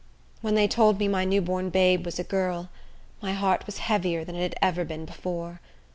When they told me my new born babe was a girl, my heart was heavier than it had ever been before.